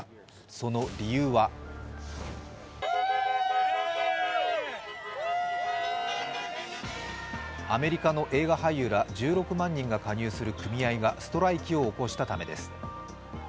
その理由はアメリカの映画俳優ら１６万人が加盟する組合がストライキを起こしたためです。